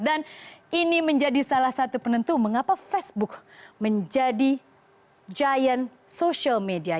dan ini menjadi salah satu penentu mengapa facebook menjadi giant social media